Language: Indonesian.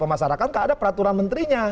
pemasarakatan nggak ada peraturan menterinya